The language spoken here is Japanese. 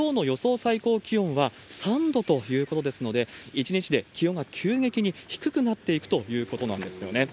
最高気温は３度ということですので、１日で気温が急激に低くなっていくということなんですよね。